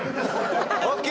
ＯＫ！